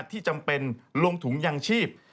จำเป็นลงถุงยังชีพ